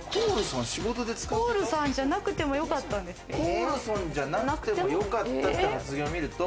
コールソンじゃなくてもよかったんですけど。